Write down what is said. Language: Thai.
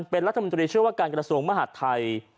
เป็นรัฐมนตรีเชื่อว่าการกระทรวงมหาดไทย